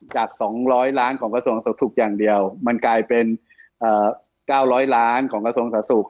จาก๒๐๐ล้านของกระทรวงศาสตร์ศูกร์อย่างเดียวมันกลายเป็น๙๐๐ล้านของกระทรวงศาสตร์ศูกร์